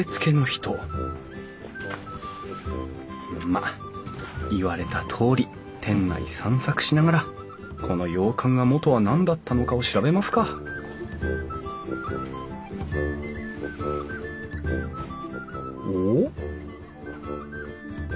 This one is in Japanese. まっ言われたとおり店内散策しながらこの洋館が元は何だったのかを調べますかおっ？